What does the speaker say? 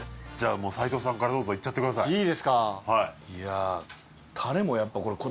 もう斎藤さんからどうぞいっちゃってください味噌！？